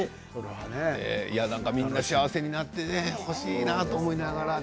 みんな幸せになってほしいなと思いながらね